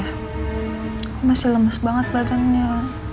aku masih lemes banget badannya